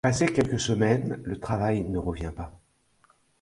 Passé quelques semaines, le travail ne revient pas.